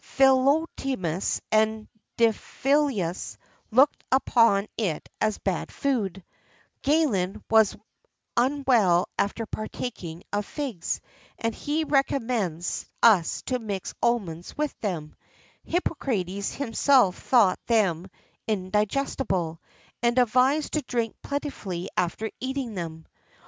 Philotimus and Diphilus looked upon it as bad food;[XIII 63] Galen was unwell after partaking of figs, and he recommends us to mix almonds with them;[XIII 64] Hippocrates himself thought them indigestible, and advised to drink plentifully after eating them.